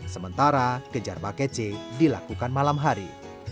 sementara kejar paket c dilakukan malam hari